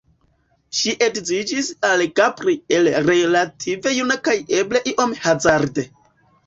Ŝi edziniĝis al Gabriel relative juna kaj eble iom hazarde.